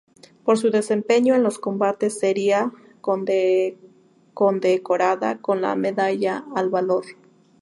Por su desempeño en los combates sería condecorada con la Medalla al Valor.